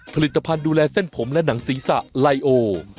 ผลิตภัณฑ์ดูแลเส้นผมและหนังศีรษะไลโอ